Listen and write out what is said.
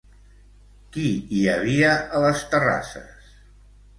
Qui hi havia a les terrasses?